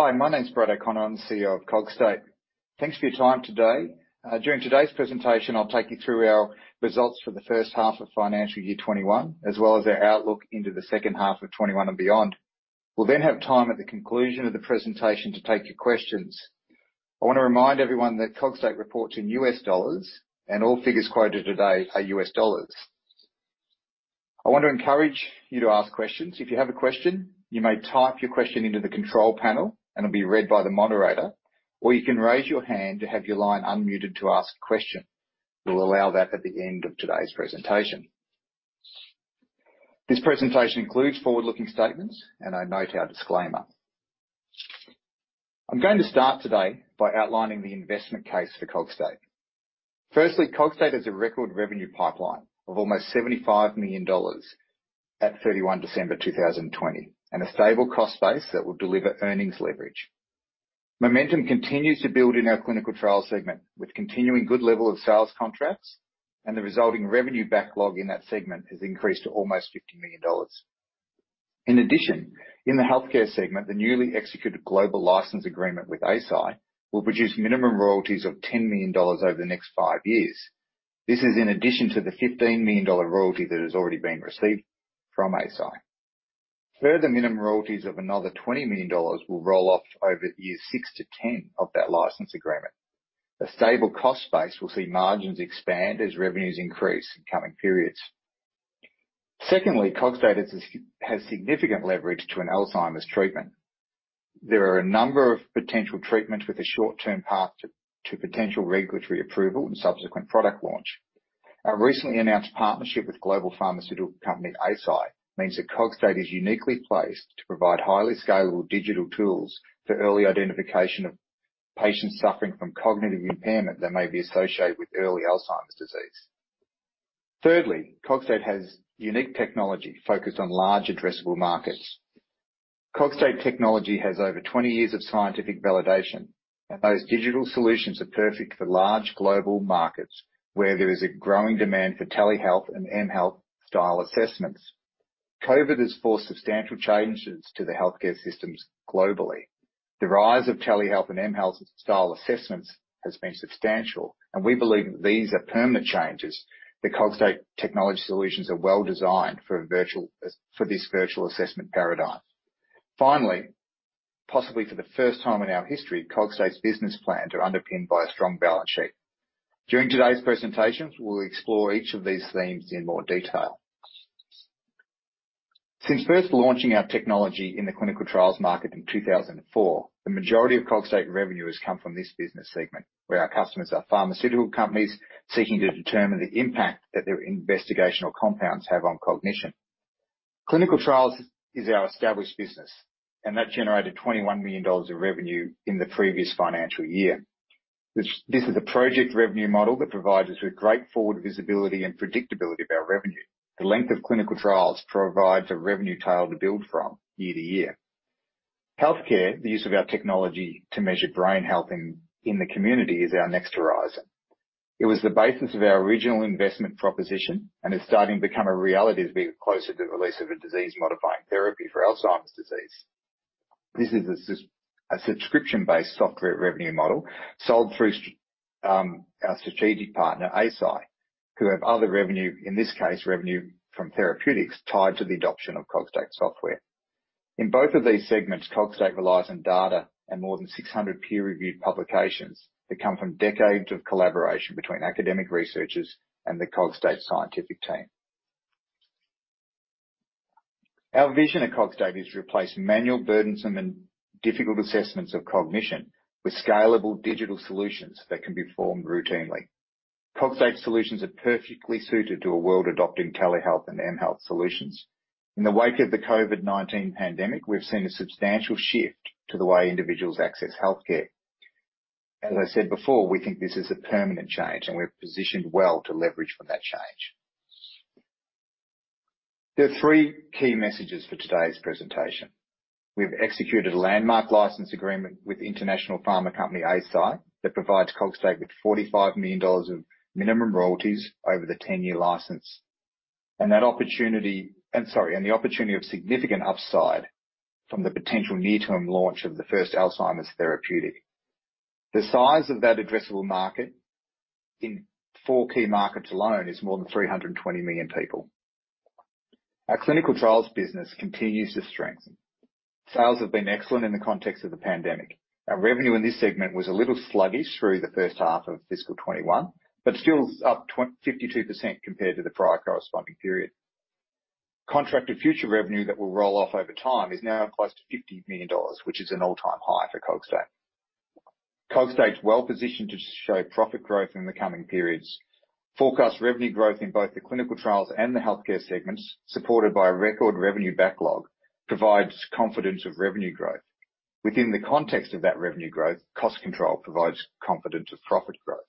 Hi, my name's Brad O'Connor. I'm the CEO of Cogstate. Thanks for your time today. During today's presentation, I'll take you through our results for the first half of financial year 2021, as well as our outlook into the second half of 2021 and beyond. We'll have time at the conclusion of the presentation to take your questions. I want to remind everyone that Cogstate reports in US dollars and all figures quoted today are US dollars. I want to encourage you to ask questions. If you have a question, you may type your question into the control panel, and it'll be read by the moderator, or you can raise your hand to have your line unmuted to ask a question. We'll allow that at the end of today's presentation. This presentation includes forward-looking statements, and I note our disclaimer. I'm going to start today by outlining the investment case for Cogstate. Firstly, Cogstate has a record revenue pipeline of almost $75 million at December 31, 2020 and a stable cost base that will deliver earnings leverage. Momentum continues to build in our clinical trial segment, with continuing good level of sales contracts, and the resulting revenue backlog in that segment has increased to almost $50 million. In addition, in the healthcare segment, the newly executed global license agreement with Eisai will produce minimum royalties of $10 million over the next five years. This is in addition to the $15 million royalty that has already been received from Eisai. Further minimum royalties of another $20 million will roll off over years six to 10 of that license agreement. A stable cost base will see margins expand as revenues increase in coming periods. Secondly, Cogstate has significant leverage to an Alzheimer's treatment. There are a number of potential treatments with a short-term path to potential regulatory approval and subsequent product launch. Our recently announced partnership with global pharmaceutical company Eisai means that Cogstate is uniquely placed to provide highly scalable digital tools for early identification of patients suffering from cognitive impairment that may be associated with early Alzheimer's disease. Thirdly, Cogstate has unique technology focused on large addressable markets. Cogstate technology has over 20 years of scientific validation, and those digital solutions are perfect for large global markets where there is a growing demand for telehealth and mHealth style assessments. COVID has forced substantial changes to the healthcare systems globally. The rise of telehealth and mHealth style assessments has been substantial, and we believe that these are permanent changes. The Cogstate technology solutions are well-designed for this virtual assessment paradigm. Possibly for the first time in our history, Cogstate's business plan is underpinned by a strong balance sheet. During today's presentations, we'll explore each of these themes in more detail. Since first launching our technology in the clinical trials market in 2004, the majority of Cogstate revenue has come from this business segment, where our customers are pharmaceutical companies seeking to determine the impact that their investigational compounds have on cognition. Clinical trials is our established business, that generated $21 million of revenue in the previous financial year. This is a project revenue model that provides us with great forward visibility and predictability of our revenue. The length of clinical trials provides a revenue tail to build from year to year. Healthcare, the use of our technology to measure brain health in the community, is our next horizon. It was the basis of our original investment proposition and is starting to become a reality as we get closer to the release of a disease-modifying therapy for Alzheimer's disease. This is a subscription-based software revenue model sold through our strategic partner, Eisai, who have other revenue, in this case, revenue from therapeutics tied to the adoption of Cogstate software. In both of these segments, Cogstate relies on data and more than 600 peer-reviewed publications that come from decades of collaboration between academic researchers and the Cogstate scientific team. Our vision at Cogstate is to replace manual, burdensome, and difficult assessments of cognition with scalable digital solutions that can be performed routinely. Cogstate solutions are perfectly suited to a world adopting telehealth and mHealth solutions. In the wake of the COVID-19 pandemic, we've seen a substantial shift to the way individuals access healthcare. As I said before, we think this is a permanent change, we're positioned well to leverage for that change. There are three key messages for today's presentation. We've executed a landmark license agreement with international pharma company Eisai that provides Cogstate with $45 million of minimum royalties over the 10-year license. The opportunity of significant upside from the potential near-term launch of the first Alzheimer's therapeutic. The size of that addressable market in four key markets alone is more than 320 million people. Our clinical trials business continues to strengthen. Sales have been excellent in the context of the pandemic. Our revenue in this segment was a little sluggish through the first half of fiscal 2021, but still is up 52% compared to the prior corresponding period. Contracted future revenue that will roll off over time is now close to $50 million, which is an all-time high for Cogstate. Cogstate's well-positioned to show profit growth in the coming periods. Forecast revenue growth in both the clinical trials and the healthcare segments, supported by a record revenue backlog, provides confidence of revenue growth. Within the context of that revenue growth, cost control provides confidence of profit growth.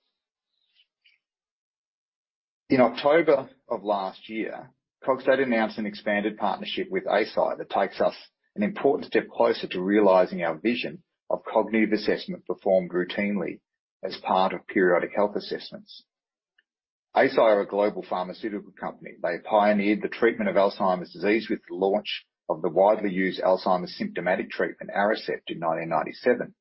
In October of last year, Cogstate announced an expanded partnership with Eisai that takes us an important step closer to realizing our vision of cognitive assessment performed routinely as part of periodic health assessments. Eisai are a global pharmaceutical company. They pioneered the treatment of Alzheimer's disease with the launch of the widely used Alzheimer's symptomatic treatment, Aricept, in 1997.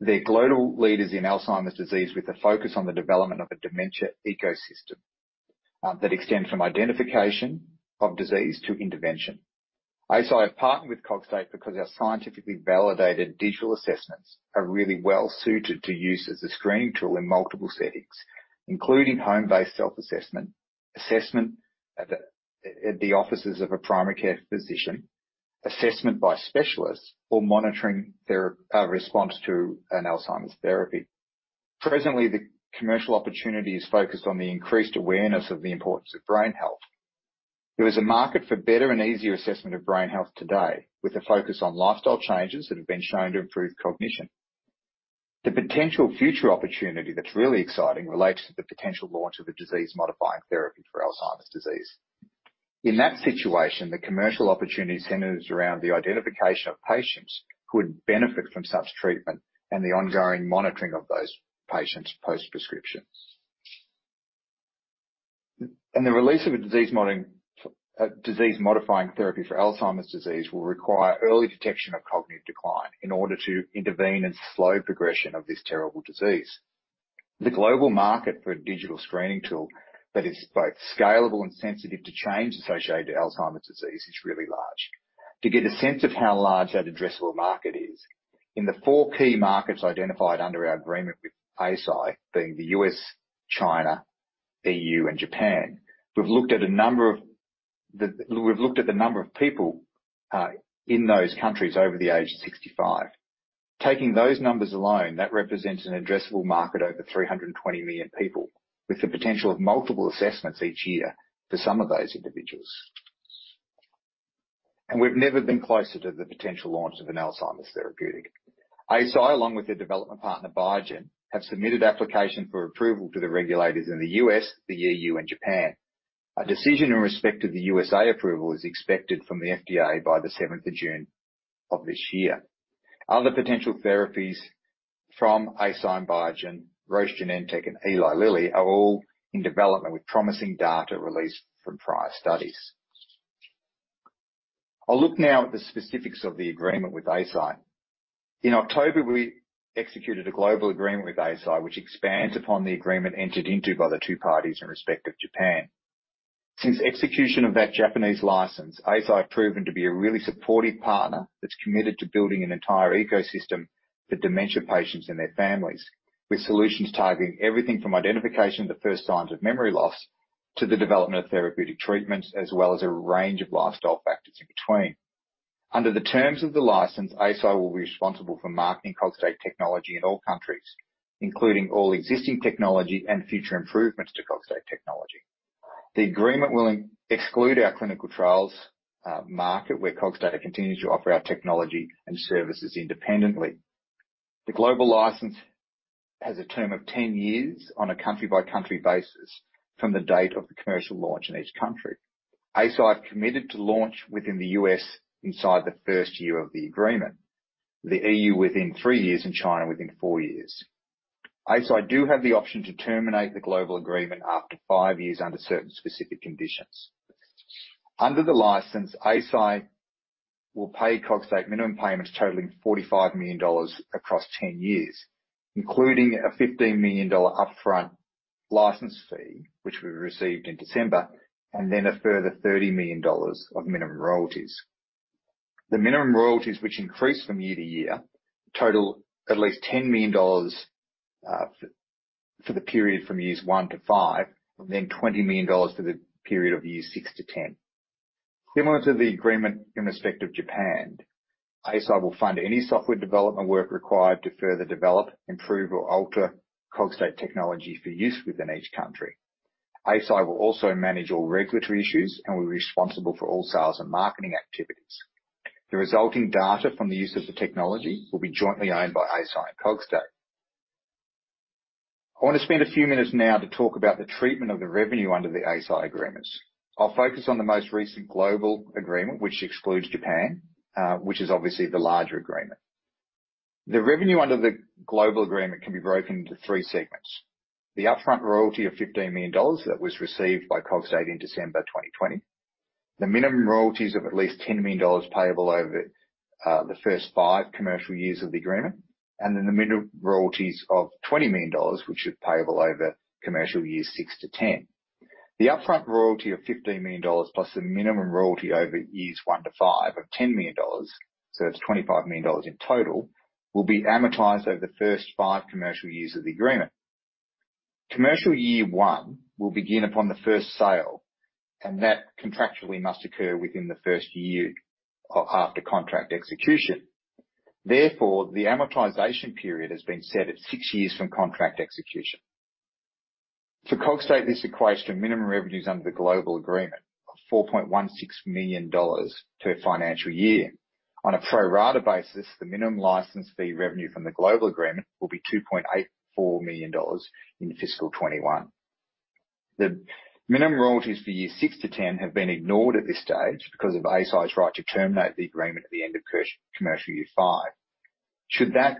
They're global leaders in Alzheimer's disease with a focus on the development of a dementia ecosystem that extends from identification of disease to intervention. Eisai have partnered with Cogstate because our scientifically validated digital assessments are really well-suited to use as a screening tool in multiple settings, including home-based self-assessment, assessment at the offices of a primary care physician, assessment by specialists, or monitoring their response to an Alzheimer's therapy. Presently, the commercial opportunity is focused on the increased awareness of the importance of brain health. There is a market for better and easier assessment of brain health today, with a focus on lifestyle changes that have been shown to improve cognition. The potential future opportunity that's really exciting relates to the potential launch of a disease-modifying therapy for Alzheimer's disease. In that situation, the commercial opportunity centers around the identification of patients who would benefit from such treatment and the ongoing monitoring of those patients post-prescription. The release of a disease-modifying therapy for Alzheimer's disease will require early detection of cognitive decline in order to intervene and slow progression of this terrible disease. The global market for a digital screening tool that is both scalable and sensitive to change associated to Alzheimer's disease is really large. To get a sense of how large that addressable market is, in the four key markets identified under our agreement with Eisai, being the U.S., China, EU, and Japan, we've looked at the number of people in those countries over the age of 65. Taking those numbers alone, that represents an addressable market over 320 million people, with the potential of multiple assessments each year for some of those individuals. We've never been closer to the potential launch of an Alzheimer's therapeutic. Eisai, along with their development partner, Biogen, have submitted application for approval to the regulators in the U.S., the EU, and Japan. A decision in respect of the U.S.A. approval is expected from the FDA by the seventh of June of this year. Other potential therapies from Eisai and Biogen, Roche, Genentech, and Eli Lilly are all in development with promising data released from prior studies. I'll look now at the specifics of the agreement with Eisai. In October, we executed a global agreement with Eisai, which expands upon the agreement entered into by the two parties in respect of Japan. Since execution of that Japanese license, Eisai have proven to be a really supportive partner that's committed to building an entire ecosystem for dementia patients and their families, with solutions targeting everything from identification of the first signs of memory loss to the development of therapeutic treatments, as well as a range of lifestyle factors in between. Under the terms of the license, Eisai will be responsible for marketing Cogstate technology in all countries, including all existing technology and future improvements to Cogstate technology. The agreement will exclude our clinical trials market, where Cogstate continues to offer our technology and services independently. The global license has a term of 10 years on a country-by-country basis from the date of the commercial launch in each country. Eisai have committed to launch within the U.S. inside the first year of the agreement, the EU within three years, and China within four years. Eisai do have the option to terminate the global agreement after five years under certain specific conditions. Under the license, Eisai will pay Cogstate minimum payments totaling $45 million across 10 years, including a $15 million upfront license fee, which we received in December, and then a further $30 million of minimum royalties. The minimum royalties, which increase from year to year, total at least $10 million for the period from years one to five, and then $20 million for the period of years 6 to 10. Similar to the agreement in respect of Japan, Eisai will fund any software development work required to further develop, improve, or alter Cogstate technology for use within each country. Eisai will also manage all regulatory issues and will be responsible for all sales and marketing activities. The resulting data from the use of the technology will be jointly owned by Eisai and Cogstate. I want to spend a few minutes now to talk about the treatment of the revenue under the Eisai agreements. I'll focus on the most recent global agreement, which excludes Japan, which is obviously the larger agreement. The revenue under the global agreement can be broken into three segments. The upfront royalty of $15 million that was received by Cogstate in December 2020, the minimum royalties of at least $10 million payable over the first five commercial years of the agreement, then the minimum royalties of $20 million, which are payable over commercial years 6 to 10. The upfront royalty of $15 million+ the minimum royalty over years one to five of $10 million, so that's $25 million in total, will be amortized over the first five commercial years of the agreement. Commercial year one will begin upon the first sale. That contractually must occur within the first year after contract execution. Therefore, the amortization period has been set at six years from contract execution. For Cogstate, this equates to minimum revenues under the global agreement of $4.16 million per financial year. On a pro rata basis, the minimum license fee revenue from the global agreement will be $2.84 million in fiscal 2021. The minimum royalties for years 6 to 10 have been ignored at this stage because of Eisai's right to terminate the agreement at the end of commercial year five. Should that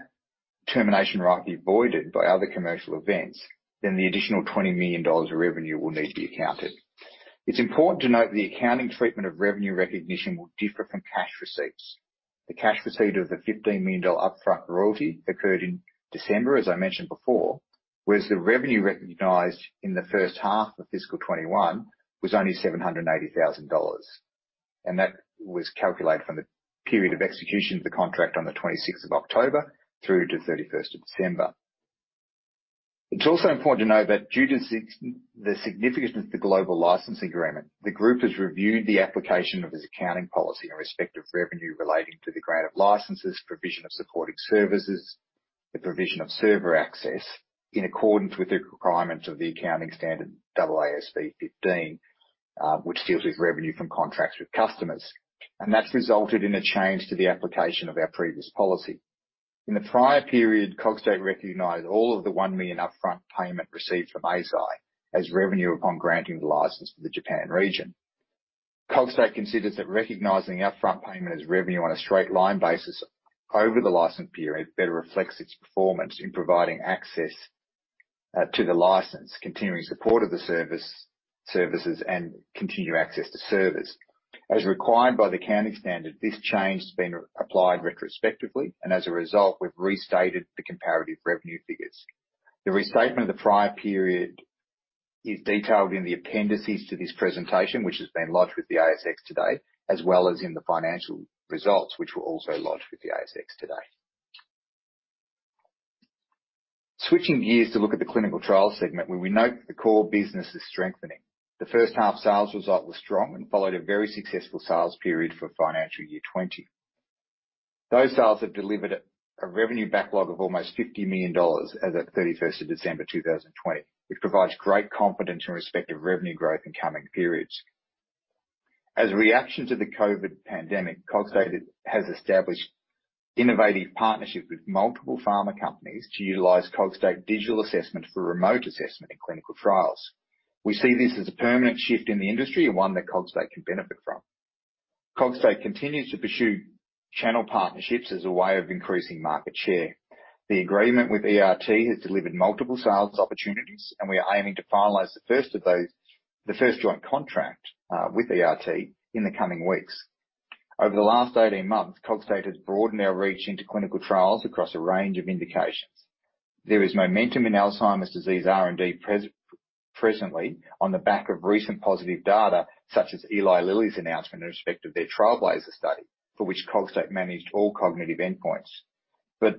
termination right be voided by other commercial events, then the additional $20 million of revenue will need to be accounted. It's important to note that the accounting treatment of revenue recognition will differ from cash receipts. The cash receipt of the $15 million upfront royalty occurred in December, as I mentioned before, whereas the revenue recognized in the first half of fiscal 2021 was only $780,000. That was calculated from the period of execution of the contract on the October 26th through to December 31st. It's also important to note that due to the significance of the global licensing agreement, the group has reviewed the application of its accounting policy in respect of revenue relating to the grant of licenses, provision of supporting services, the provision of server access in accordance with the requirements of the accounting standard AASB 15, which deals with revenue from contracts with customers. That's resulted in a change to the application of our previous policy. In the prior period, Cogstate recognized all of the 1 million upfront payment received from Eisai as revenue upon granting the license for the Japan region. Cogstate considers that recognizing upfront payment as revenue on a straight line basis over the license period better reflects its performance in providing access to the license, continuing support of the services, and continued access to servers. As required by the accounting standard, this change has been applied retrospectively, and as a result, we've restated the comparative revenue figures. The restatement of the prior period is detailed in the appendices to this presentation, which has been lodged with the ASX today, as well as in the financial results, which were also lodged with the ASX today. Switching gears to look at the clinical trial segment where we note that the core business is strengthening. The first half sales result was strong and followed a very successful sales period for financial year 2020. Those sales have delivered a revenue backlog of almost 50 million dollars as at 31st of December 2020, which provides great confidence in respect of revenue growth in coming periods. As a reaction to the COVID pandemic, Cogstate has established innovative partnerships with multiple pharma companies to utilize Cogstate Digital Assessment for remote assessment in clinical trials. We see this as a permanent shift in the industry and one that Cogstate can benefit from. Cogstate continues to pursue channel partnerships as a way of increasing market share. The agreement with ERT has delivered multiple sales opportunities, and we are aiming to finalize the first joint contract with ERT in the coming weeks. Over the last 18 months, Cogstate has broadened our reach into clinical trials across a range of indications. There is momentum in Alzheimer's disease R&D presently on the back of recent positive data, such as Eli Lilly's announcement in respect of their TRAILBLAZER study, for which Cogstate managed all cognitive endpoints.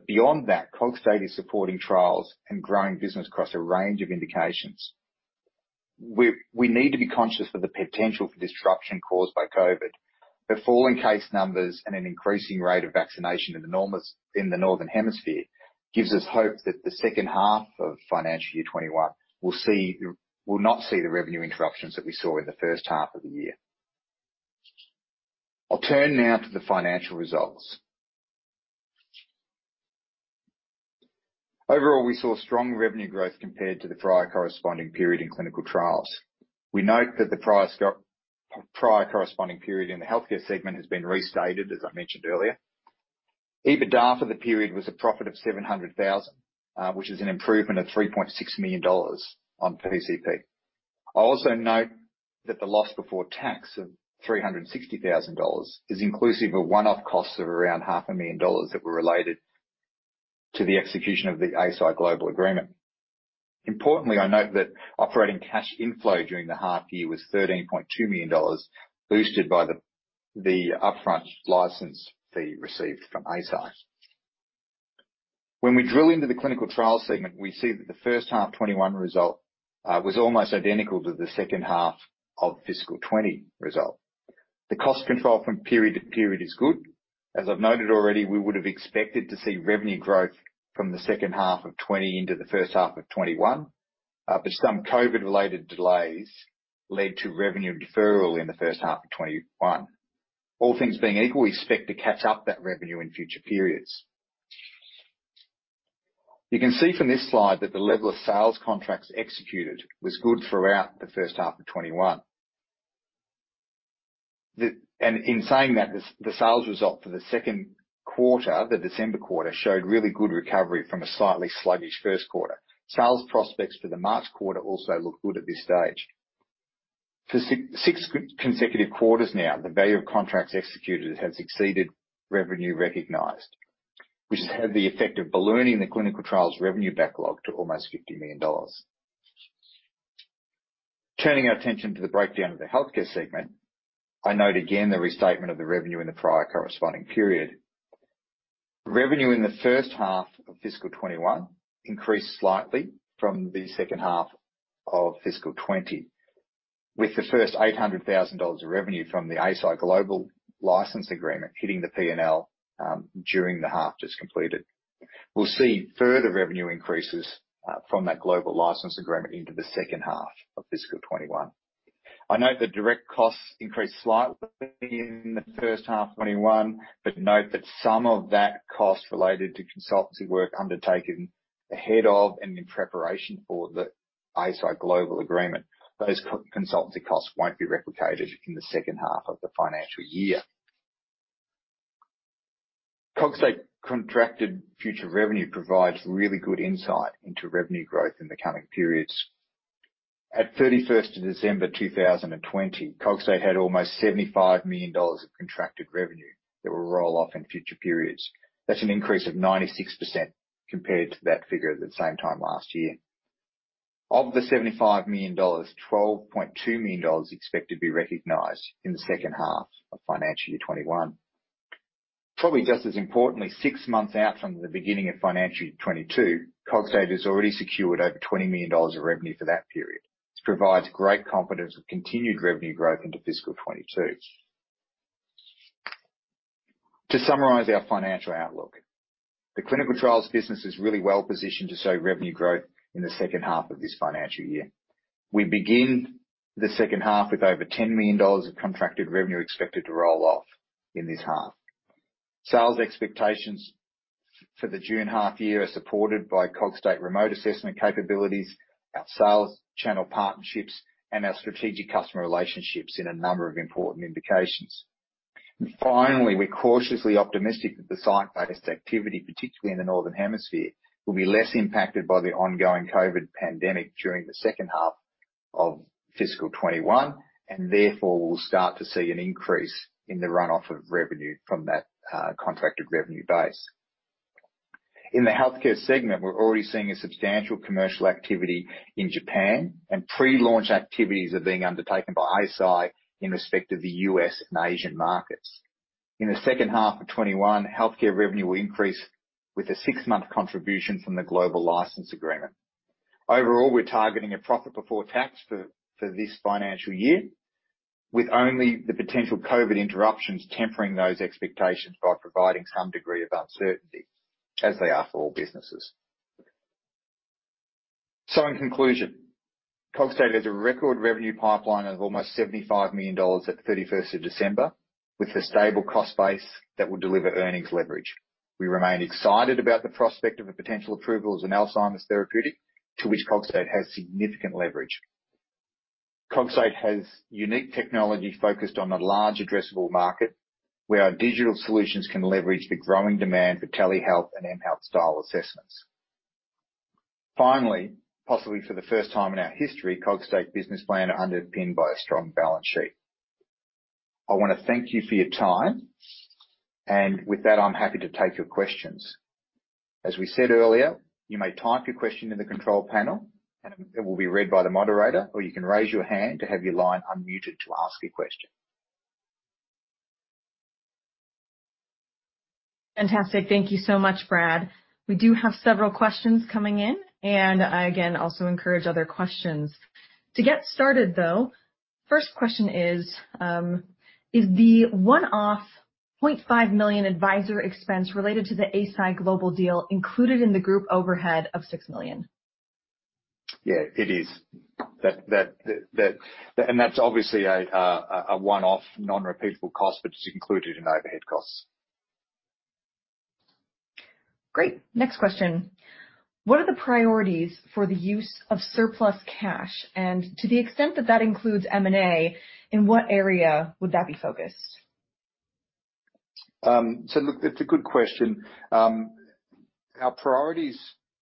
Beyond that, Cogstate is supporting trials and growing business across a range of indications. We need to be conscious of the potential for disruption caused by COVID, but falling case numbers and an increasing rate of vaccination in the Northern Hemisphere gives us hope that the second half of financial year 2021 will not see the revenue interruptions that we saw in the first half of the year. I'll turn now to the financial results. Overall, we saw strong revenue growth compared to the prior corresponding period in clinical trials. We note that the prior corresponding period in the healthcare segment has been restated, as I mentioned earlier. EBITDA for the period was a profit of 700,000, which is an improvement of 3.6 million dollars on PCP. I also note that the loss before tax of 360,000 dollars is inclusive of one-off costs of around half a million AUD that were related to the execution of the Eisai global agreement. Importantly, I note that operating cash inflow during the half year was 13.2 million dollars, boosted by the upfront license fee received from Eisai. When we drill into the clinical trial segment, we see that the first half 2021 result was almost identical to the second half of fiscal 2020 result. The cost control from period to period is good. As I've noted already, we would have expected to see revenue growth from the second half of 2020 into the first half of 2021. Some COVID-related delays led to revenue deferral in the first half of 2021. All things being equal, we expect to catch up that revenue in future periods. You can see from this slide that the level of sales contracts executed was good throughout the first half of 2021. In saying that, the sales result for the second quarter, the December quarter, showed really good recovery from a slightly sluggish first quarter. Sales prospects for the March quarter also look good at this stage. For six consecutive quarters now, the value of contracts executed has exceeded revenue recognized, which has had the effect of ballooning the clinical trials revenue backlog to almost $50 million. Turning our attention to the breakdown of the healthcare segment, I note again the restatement of the revenue in the prior corresponding period. Revenue in the first half of fiscal 2021 increased slightly from the second half of fiscal 2020, with the first $800,000 of revenue from the Eisai global license agreement hitting the P&L during the half just completed. We'll see further revenue increases from that global license agreement into the second half of fiscal 2021. I note the direct costs increased slightly in the first half 2021, but note that some of that cost related to consultancy work undertaken ahead of and in preparation for the Eisai global agreement, those consultancy costs won't be replicated in the second half of the financial year. Cogstate contracted future revenue provides really good insight into revenue growth in the coming periods. At December 31st, 2020, Cogstate had almost $75 million of contracted revenue that will roll off in future periods. That's an increase of 96% compared to that figure at the same time last year. Of the $75 million, $12.2 million is expected to be recognized in the second half of financial year 2021. Probably just as importantly, six months out from the beginning of financial year 2022, Cogstate has already secured over $20 million of revenue for that period, which provides great confidence of continued revenue growth into fiscal 2022. To summarize our financial outlook, the clinical trials business is really well-positioned to show revenue growth in the second half of this financial year. We begin the second half with over $10 million of contracted revenue expected to roll off in this half. Sales expectations for the June half year are supported by Cogstate remote assessment capabilities, our sales channel partnerships, and our strategic customer relationships in a number of important indications. Finally, we're cautiously optimistic that the site-based activity, particularly in the Northern Hemisphere, will be less impacted by the ongoing COVID-19 pandemic during the second half of fiscal 2021, and therefore will start to see an increase in the runoff of revenue from that contracted revenue base. In the healthcare segment, we're already seeing a substantial commercial activity in Japan, and pre-launch activities are being undertaken by Eisai in respect of the U.S. and Asian markets. In the second half of 2021, healthcare revenue will increase with a six-month contribution from the global license agreement. Overall, we're targeting a profit before tax for this financial year, with only the potential COVID-19 interruptions tempering those expectations by providing some degree of uncertainty, as they are for all businesses. In conclusion, Cogstate has a record revenue pipeline of almost 75 million dollars at the December 31st with a stable cost base that will deliver earnings leverage. We remain excited about the prospect of a potential approval as an Alzheimer's therapeutic, to which Cogstate has significant leverage. Cogstate has unique technology focused on a large addressable market, where our digital solutions can leverage the growing demand for telehealth and mHealth style assessments. Finally, possibly for the first time in our history, Cogstate's business plan are underpinned by a strong balance sheet. I want to thank you for your time, and with that, I'm happy to take your questions. As we said earlier, you may type your question in the control panel, and it will be read by the moderator, or you can raise your hand to have your line unmuted to ask a question. Fantastic. Thank you so much, Brad. We do have several questions coming in, and I, again, also encourage other questions. To get started though, first question is: Is the one-off $0.5 million advisor expense related to the Eisai global deal included in the group overhead of $6 million? Yeah, it is. That's obviously a one-off non-repeatable cost, but it is included in overhead costs. Great. Next question. What are the priorities for the use of surplus cash? To the extent that that includes M&A, in what area would that be focused? Look, that's a good question. Our priorities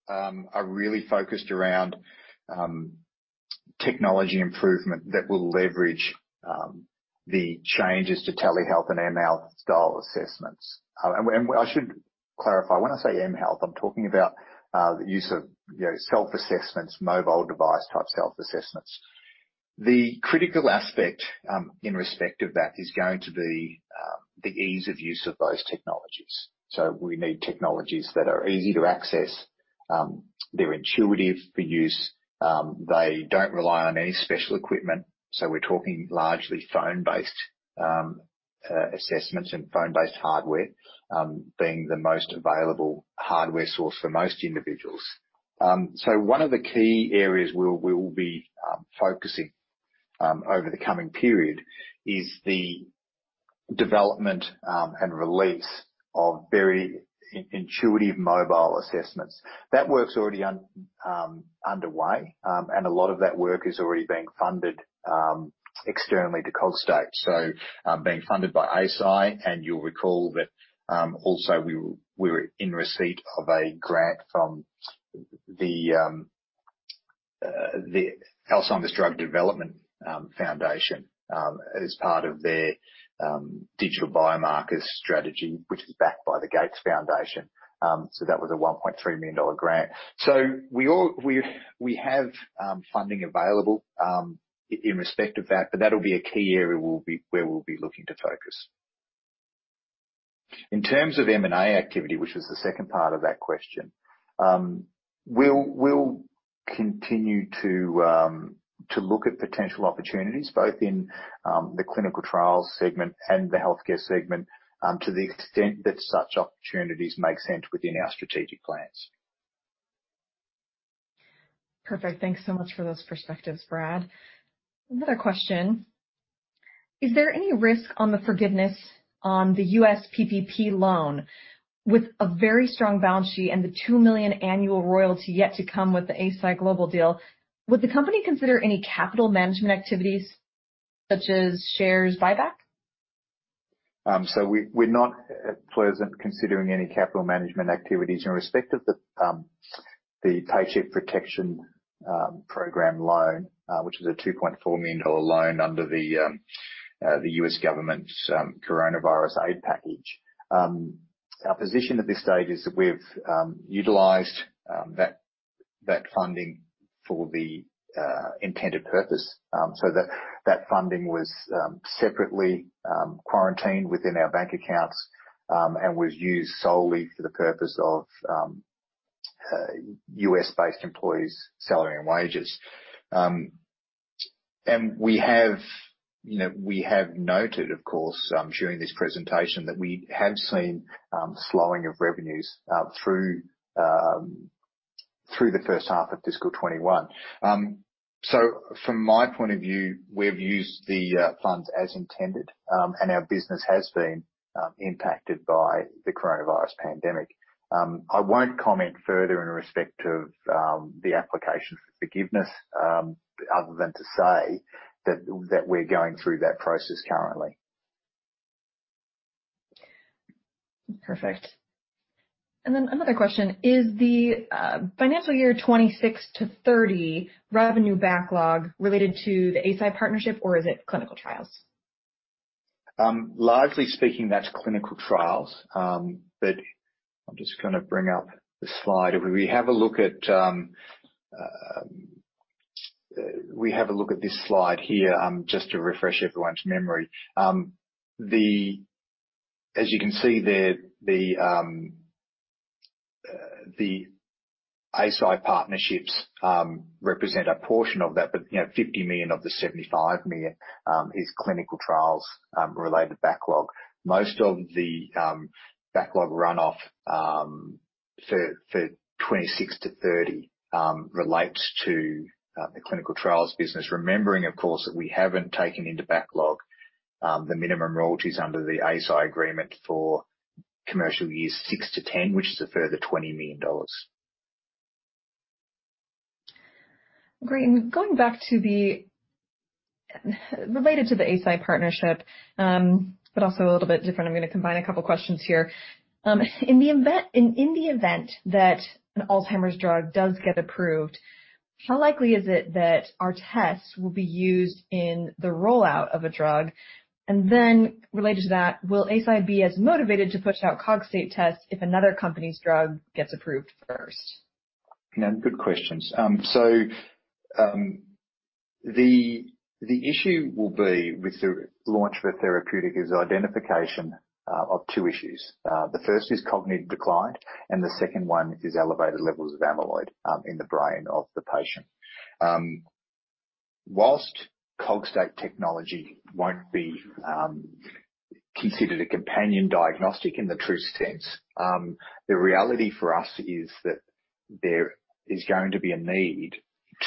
are really focused around technology improvement that will leverage the changes to telehealth and mHealth style assessments. I should clarify, when I say mHealth, I'm talking about the use of self-assessments, mobile device type self-assessments. The critical aspect in respect of that is going to be the ease of use of those technologies. We need technologies that are easy to access, they're intuitive for use, they don't rely on any special equipment. We're talking largely phone-based assessments and phone-based hardware being the most available hardware source for most individuals. One of the key areas we will be focusing over the coming period is the development and release of very intuitive mobile assessments. That work's already underway, and a lot of that work is already being funded externally to Cogstate. Being funded by Eisai, and you'll recall that also we were in receipt of a grant from the Alzheimer's Drug Discovery Foundation as part of their digital biomarkers strategy, which is backed by the Gates Foundation. That was a $1.3 million grant. We have funding available in respect of that, but that'll be a key area where we'll be looking to focus. In terms of M&A activity, which was the second part of that question, we'll continue to look at potential opportunities both in the clinical trials segment and the healthcare segment to the extent that such opportunities make sense within our strategic plans. Perfect. Thanks so much for those perspectives, Brad. Another question. Is there any risk on the forgiveness on the U.S. PPP loan with a very strong balance sheet and the $2 million annual royalty yet to come with the Eisai global deal? Would the company consider any capital management activities such as share buyback? We're not at present considering any capital management activities in respect of the Paycheck Protection Program loan, which is a $2.4 million loan under the U.S. government's coronavirus aid package. Our position at this stage is that we've utilized that funding for the intended purpose. That funding was separately quarantined within our bank accounts, and was used solely for the purpose of U.S.-based employees' salary and wages. We have noted, of course, during this presentation that we have seen slowing of revenues through the first half of fiscal 2021. From my point of view, we've used the funds as intended, and our business has been impacted by the coronavirus pandemic. I won't comment further in respect of the application for forgiveness, other than to say that we're going through that process currently. Perfect. Then another question, Is the financial year 2026-2030 revenue backlog related to the Eisai partnership or is it clinical trials? Largely speaking, that's clinical trials. I'm just going to bring up the slide. If we have a look at this slide here, just to refresh everyone's memory. As you can see there, the Eisai partnerships represent a portion of that, but 50 million of the 75 million is clinical trials related backlog. Most of the backlog runoff for 2026 to 2030 relates to the clinical trials business. Remembering, of course, that we haven't taken into backlog the minimum royalties under the Eisai agreement for commercial years 6 to 10, which is a further 20 million dollars. Great. Going back related to the Eisai partnership, but also a little bit different, I'm going to combine a couple questions here. In the event that an Alzheimer's drug does get approved, how likely is it that our tests will be used in the rollout of a drug? Then related to that, will Eisai be as motivated to push out Cogstate tests if another company's drug gets approved first? Yeah, good questions. The issue will be with the launch of a therapeutic is identification of two issues. The first is cognitive decline, and the second one is elevated levels of amyloid in the brain of the patient. Whilst Cogstate technology won't be considered a companion diagnostic in the truest sense, the reality for us is that there is going to be a need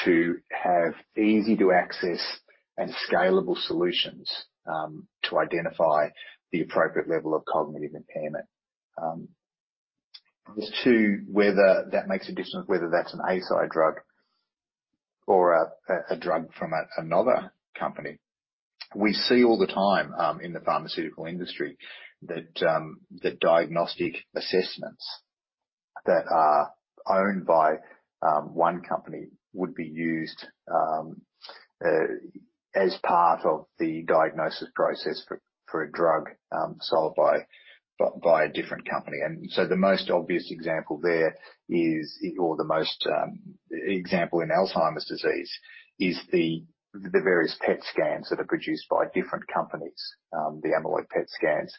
to have easy-to-access and scalable solutions to identify the appropriate level of cognitive impairment. As to whether that makes a difference, whether that's an Eisai drug or a drug from another company, we see all the time in the pharmaceutical industry that diagnostic assessments that are owned by one company would be used as part of the diagnosis process for a drug sold by a different company. The most obvious example there is, or the most example in Alzheimer's disease is the various PET scans that are produced by different companies, the amyloid PET scans,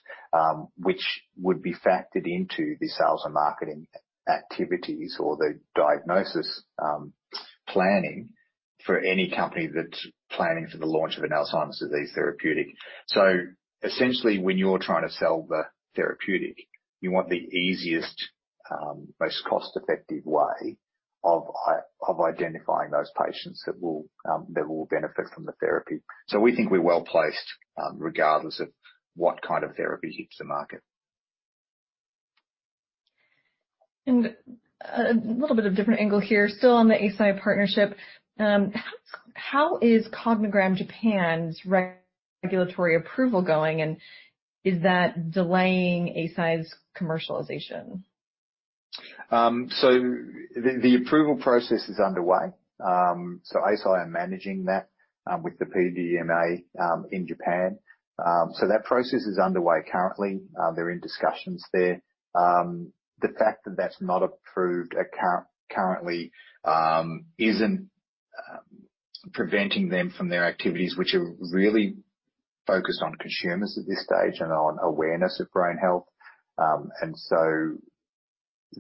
which would be factored into the sales and marketing activities or the diagnosis planning for any company that's planning for the launch of an Alzheimer's disease therapeutic. Essentially when you're trying to sell the therapeutic, you want the easiest, most cost-effective way of identifying those patients that will benefit from the therapy. We think we're well-placed regardless of what kind of therapy hits the market. A little bit of different angle here, still on the Eisai partnership. How is Cognigram Japan's regulatory approval going, and is that delaying Eisai's commercialization? The approval process is underway. Eisai are managing that with the PMDA in Japan. That process is underway currently. They're in discussions there. The fact that that's not approved currently isn't preventing them from their activities, which are really focused on consumers at this stage and on awareness of brain health.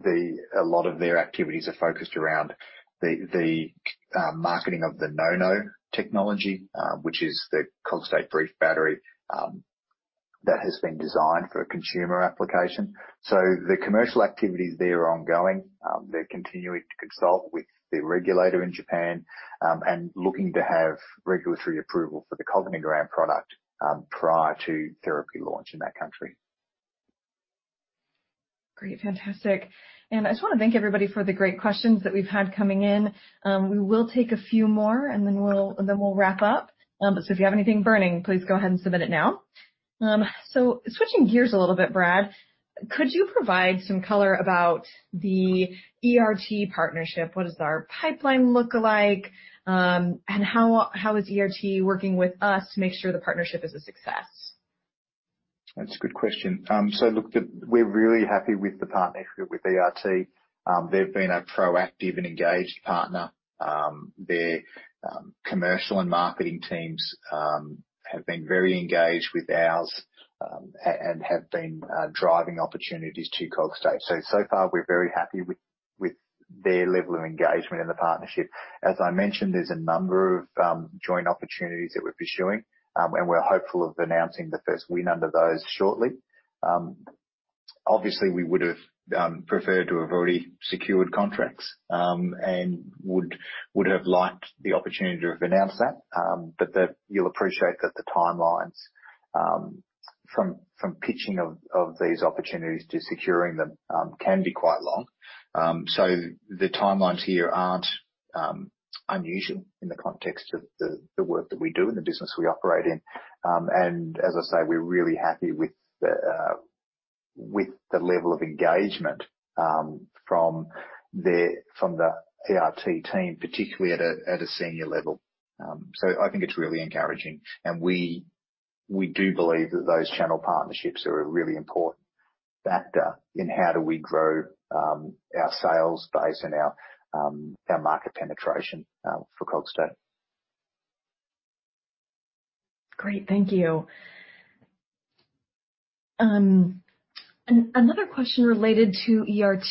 A lot of their activities are focused around the marketing of the NouKNOW technology, which is the Cogstate brief battery that has been designed for a consumer application. The commercial activities there are ongoing. They're continuing to consult with the regulator in Japan, and looking to have regulatory approval for the Cognigram product, prior to therapy launch in that country. Great. Fantastic. I just want to thank everybody for the great questions that we've had coming in. We will take a few more, and then we'll wrap up. If you have anything burning, please go ahead and submit it now. Switching gears a little bit, Brad, could you provide some color about the ERT partnership? What does our pipeline look like? How is ERT working with us to make sure the partnership is a success? That's a good question. Look, we're really happy with the partnership with ERT. They've been a proactive and engaged partner. Their commercial and marketing teams have been very engaged with ours, and have been driving opportunities to Cogstate. So far we're very happy with their level of engagement in the partnership. As I mentioned, there's a number of joint opportunities that we're pursuing, and we're hopeful of announcing the first win under those shortly. Obviously, we would have preferred to have already secured contracts, and would have liked the opportunity to have announced that, but you'll appreciate that the timelines from pitching of these opportunities to securing them can be quite long. The timelines here aren't unusual in the context of the work that we do and the business we operate in. As I say, we're really happy with the level of engagement from the ERT team, particularly at a senior level. I think it's really encouraging. We do believe that those channel partnerships are a really important factor in how do we grow our sales base and our market penetration for Cogstate. Great. Thank you. Another question related to ERT.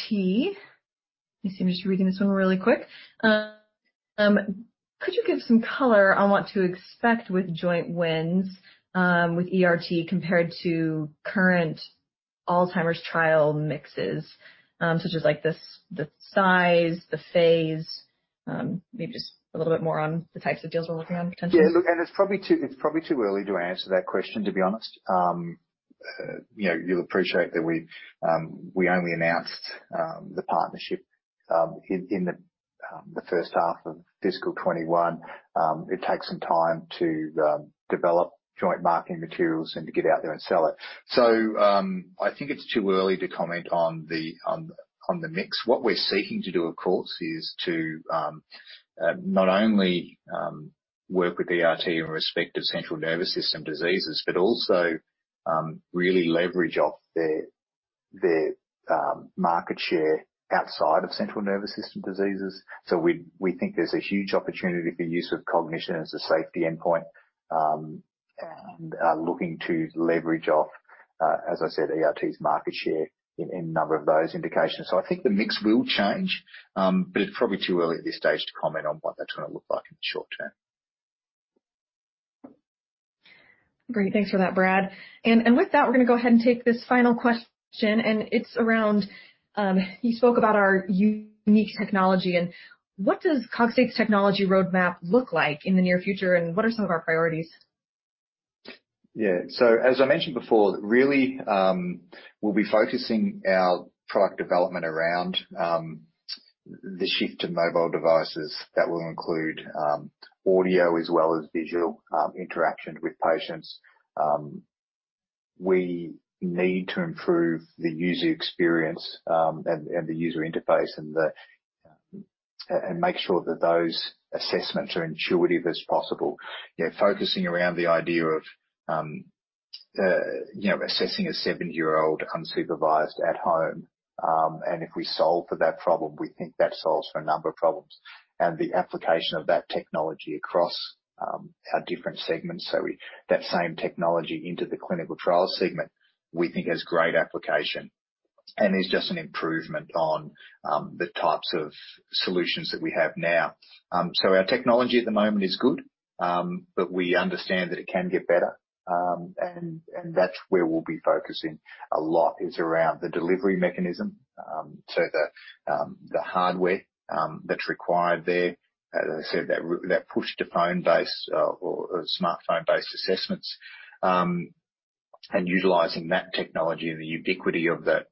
Let me see. I'm just reading this one really quick. Could you give some color on what to expect with joint wins with ERT compared to current Alzheimer's trial mixes? Such as like the size, the phase. Maybe just a little bit more on the types of deals we're working on potentially. Look, it's probably too early to answer that question, to be honest. You'll appreciate that we only announced the partnership in the first half of fiscal 2021. It takes some time to develop joint marketing materials and to get out there and sell it. I think it's too early to comment on the mix. What we're seeking to do, of course, is to not only work with ERT in respect of central nervous system diseases, but also really leverage off their market share outside of central nervous system diseases. We think there's a huge opportunity for use of cognition as a safety endpoint, and are looking to leverage off, as I said, ERT's market share in a number of those indications. I think the mix will change, but it's probably too early at this stage to comment on what that's going to look like in the short term. Great. Thanks for that, Brad. With that, we're going to go ahead and take this final question, and it's around, you spoke about our unique technology and what does Cogstate's technology roadmap look like in the near future, and what are some of our priorities? Yeah. As I mentioned before, really, we'll be focusing our product development around the shift to mobile devices. That will include audio as well as visual interaction with patients. We need to improve the user experience and the user interface, and make sure that those assessments are intuitive as possible. Focusing around the idea of assessing a 70-year-old unsupervised at home. If we solve for that problem, we think that solves for a number of problems. The application of that technology across our different segments, so that same technology into the clinical trial segment, we think has great application and is just an improvement on the types of solutions that we have now. Our technology at the moment is good, but we understand that it can get better. That's where we'll be focusing a lot, is around the delivery mechanism. The hardware that's required there. As I said, that push-to-phone based or smartphone-based assessments. Utilizing that technology and the ubiquity of that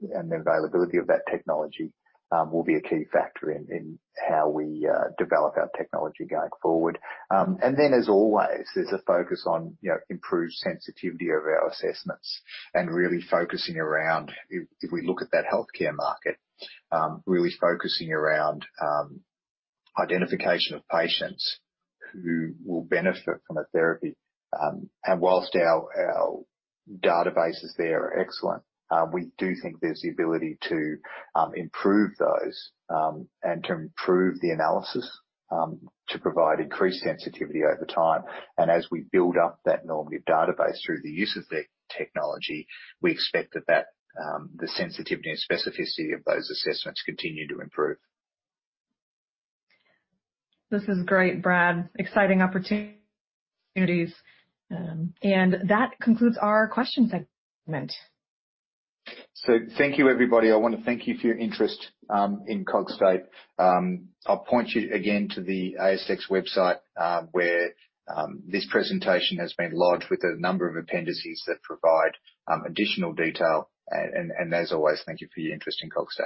and the availability of that technology will be a key factor in how we develop our technology going forward. Then as always, there's a focus on improved sensitivity of our assessments and really focusing around, if we look at that healthcare market, really focusing around identification of patients who will benefit from a therapy. Whilst our databases there are excellent, we do think there's the ability to improve those, and to improve the analysis, to provide increased sensitivity over time. As we build up that normative database through the use of the technology, we expect that the sensitivity and specificity of those assessments continue to improve. This is great, Brad. Exciting opportunities. That concludes our question segment. Thank you, everybody. I want to thank you for your interest in Cogstate. I'll point you again to the ASX website, where this presentation has been lodged with a number of appendices that provide additional detail. As always, thank you for your interest in Cogstate.